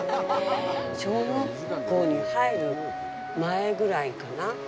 小学校に入る前ぐらいかな